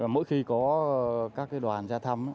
mỗi khi có các đoàn ra thăm